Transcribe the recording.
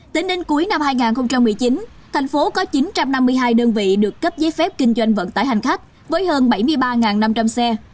tính đến cuối năm hai nghìn một mươi chín thành phố có chín trăm năm mươi hai đơn vị được cấp giấy phép kinh doanh vận tải hành khách với hơn bảy mươi ba năm trăm linh xe